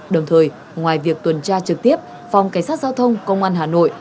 đồng thời ngoài việc tuần tra trực tiếp phòng cảnh sát giao thông công an hà nội